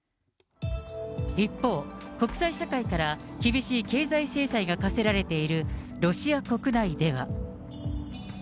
一方、国際社会から厳しい経済制裁が科せられているロシア国内では。